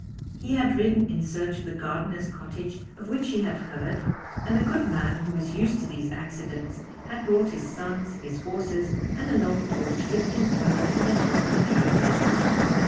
He had ridden in search of the gardener's cottage of which he had heard, and the good man, who was used to these accidents, had brought his sons, his horses, and a long torch dipped in oil to the help of the travellers.